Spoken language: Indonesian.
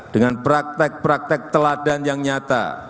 dengan praktek praktek teladan yang nyata